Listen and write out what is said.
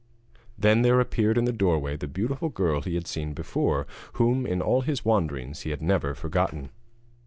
Then there appeared in the doorway the beautiful girl he had seen before, whom in all his wanderings he had never forgotten.